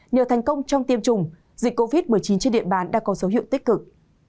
nhờ thành công trong tiêm chủng dịch covid một mươi chín trên địa bàn đã có dấu hiệu tích cực